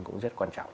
cũng rất quan trọng